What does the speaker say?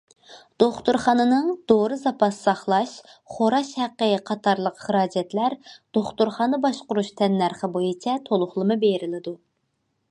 دوختۇرخانىنىڭ دورا زاپاس ساقلاش، خوراش ھەققى قاتارلىق خىراجەتلەر دوختۇرخانا باشقۇرۇش تەننەرخى بويىچە تولۇقلىما بېرىلىدۇ.